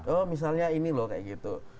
oh misalnya ini loh kayak gitu